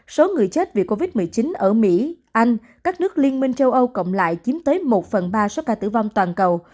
số người chết vì covid một mươi chín ở mỹ anh các nước liên minh châu âu cộng lại chiếm tới một phần ba số ca tử vong toàn cầu